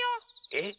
えっ？